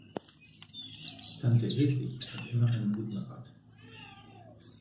Tante Hedwig hat immer einen guten Rat.